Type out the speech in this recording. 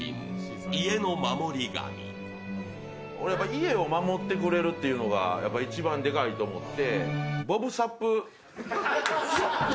家を守ってくれるというのが一番デカいと思って。